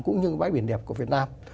cũng như bãi biển đẹp của việt nam